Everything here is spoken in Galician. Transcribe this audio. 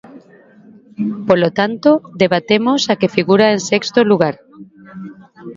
Polo tanto, debatemos a que figura en sexto lugar.